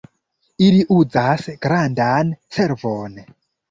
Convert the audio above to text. ili uzas grandan servon